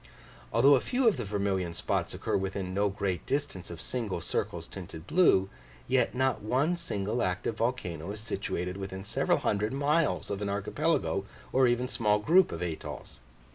Although a few of the vermilion spots occur within no great distance of single circles tinted blue, yet not one single active volcano is situated within several hundred miles of an archipelago, or even small group of atolls.